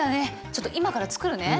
ちょっと今から作るね。